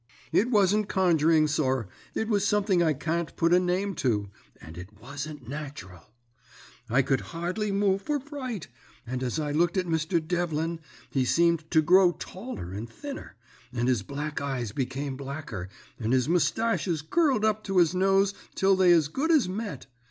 It wasn't conjuring, sir, it was something I can't put a name to, and it wasn't natural. I could hardly move for fright, and as I looked at Mr. Devlin, he seemed to grow taller and thinner, and his black eyes become blacker, and his moustaches curled up to his nose till they as good as met.